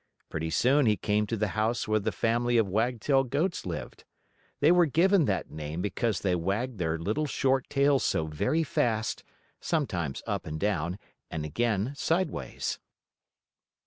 Pretty soon he came to the house where the family of Wagtail goats lived. They were given that name because they wagged their little short tails so very fast, sometimes up and down, and again sideways.